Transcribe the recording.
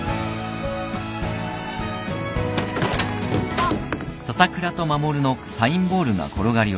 あっ。